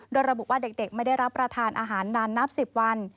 โดยระบุว่าเด็กไม่ได้รับประทานอาหารนานนับ๑๐วัน